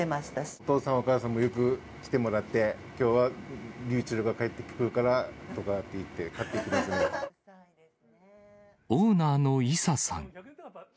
お父さん、お母さんもよく来てもらって、きょうはｒｙｕｃｈｅｌｌが帰ってくるからとかって言って、オーナーの伊佐さん。